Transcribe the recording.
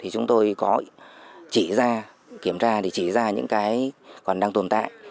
chúng tôi có kiểm tra những cái còn đang tồn tại